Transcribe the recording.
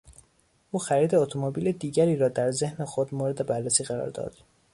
او خرید اتومبیل دیگری را در ذهن خود مورد بررسی قرار داد.